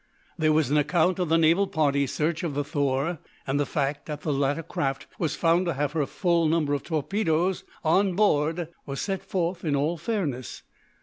There was an account of the naval party's search of the "Thor," and the fact that the latter craft was found to have her full number of torpedoes on board was set forth in all fairness.